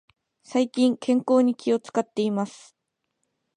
最近、健康に気を使っています。